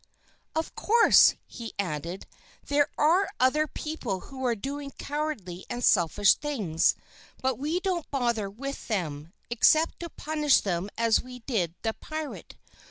"Of course," he added, "there are other people who are doing cowardly and selfish things, but we don't bother with them, except to punish them as we did the pirate.